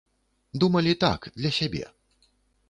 Думалі, так, для сябе.